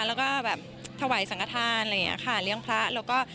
แล้วก็แบบถวายสังขทานอะไรอย่างนี้ค่ะเลี้ยงพระแล้วก็